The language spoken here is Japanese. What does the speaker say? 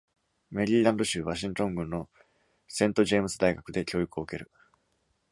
メリーランド州ワシントン郡のセント・ジェームズ大学で教育を受ける。